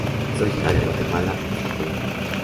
Es originaria de Guatemala hasta Colombia.